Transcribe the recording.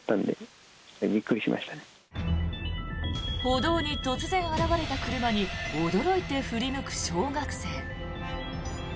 歩道に突然現れた車に驚いて振り向く小学生。